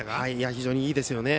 非常にいいですね。